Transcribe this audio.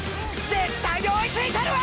絶対に追いついたるわ！！